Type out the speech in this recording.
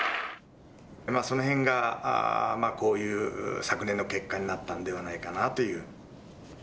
その辺がこういう昨年の結果になったんではないかなという。